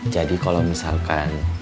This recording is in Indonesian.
jadi kalau misalkan